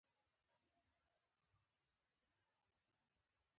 وینه خوراکي توکي، هورمونونه او غازونه لېږدوي.